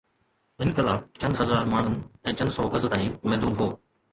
انقلاب چند هزار ماڻهن ۽ چند سو گز تائين محدود هو.